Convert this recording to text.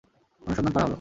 অনুসন্ধান করা হল।